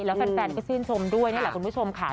แล้วแฟนก็ชื่นชมด้วยนี่แหละคุณผู้ชมค่ะ